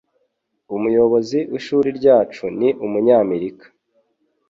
Umuyobozi w'ishuri ryacu ni Umunyamerika.